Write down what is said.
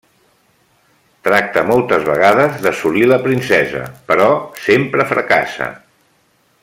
Tracta moltes vegades d'assolir la princesa, però sempre fracassa.